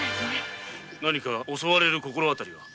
なにか襲われる心あたりは？